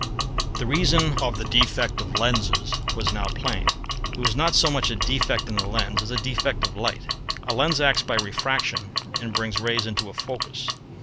The reason of the defect of lenses was now plain: it was not so much a defect of the lens as a defect of light. A lens acts by refraction and brings rays to a focus.